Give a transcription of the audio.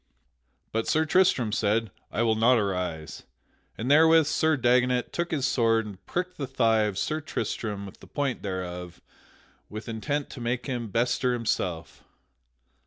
But Sir Tristram said, "I will not arise." And therewith Sir Dagonet took his sword and pricked the thigh of Sir Tristram with the point thereof with intent to make him bestir himself.